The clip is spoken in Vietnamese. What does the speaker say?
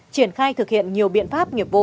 triển khai thực hiện nhiều biện pháp